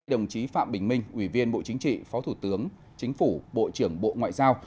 đồng chí phạm bình minh ủy viên bộ chính trị phó thủ tướng chính phủ bộ trưởng bộ ngoại giao